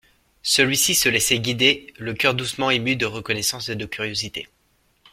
Celui-ci se laissait guider, le coeur doucement ému de reconnaissance et de curiosité.